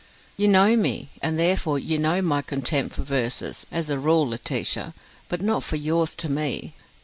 "You know me, and therefore you know my contempt for verses, as a rule, Laetitia. But not for yours to me.